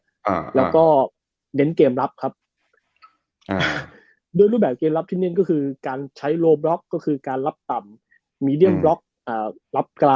อ่าแล้วก็เด้นเกมรับครับอ่าด้วยรูปแบบเกมรับที่นี่ก็คือการใช้โลบล็อกก็คือการรับต่ำ